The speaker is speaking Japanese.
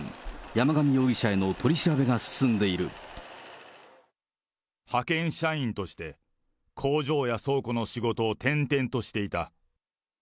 山上容疑者への取り調べが進んで派遣社員として、工場や倉庫の仕事を転々としていた。